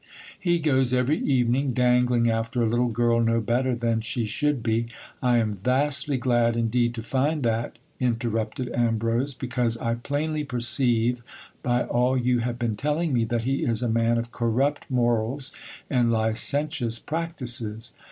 He goes every evening dangling after a little girl no better than she should be .... I am vastly glad indeed to find that, interrupted Ambrose, because I plainly perceive, by all you have been telling me, that he is a man of corrupt morals and licentious practices.